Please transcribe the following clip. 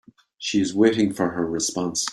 She was waiting for her response.